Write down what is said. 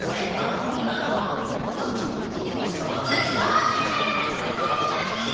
障害があれば乗り越えればいい！